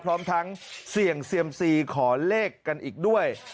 พร้อมทั้งเสี่ยงเซียมซีขอเลขกันอีกด้วย